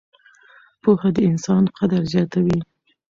پوهه د انسان قدر زیاتوي.